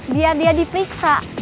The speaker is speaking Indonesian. biar dia diperiksa